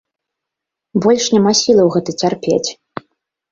Больш няма сілаў гэта цярпець!